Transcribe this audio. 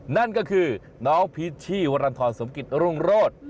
นั่นก็คือน้องพีชชี่วรรณฑรสมกิจรุ่งโรธ